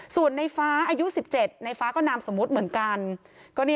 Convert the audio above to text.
ส่วนในฟ้าอายุ๑๗ในฟ้าก็นามสมมุติเหมือนกัน